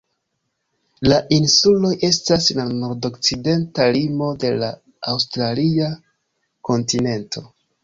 La insuloj estas la nordokcidenta limo de la aŭstralia kontinento.